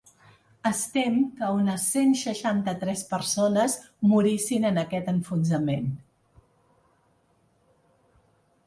Es tem que unes cent seixanta-tres persones morissin en aquest enfonsament.